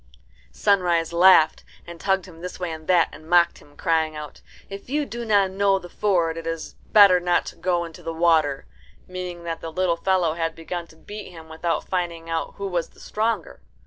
Sunrise laughed, and tugged him this way and that, and mocked him, crying out, "If you do not know the ford, it is better not to go into the water," meaning that the little fellow had begun to beat him without finding out who was the stronger.